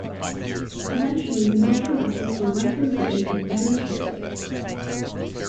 Eventually, the Metro buses were retrofitted with better chair lifts.